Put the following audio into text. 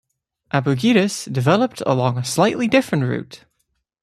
Abugidas developed along a slightly different route.